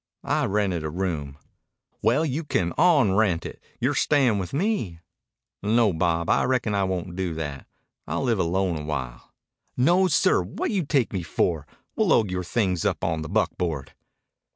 "I've rented a room." "Well, you can onrent it. You're stayin' with me." "No, Bob. I reckon I won't do that. I'll live alone awhile." "No, sir. What do you take me for? We'll load yore things up on the buckboard."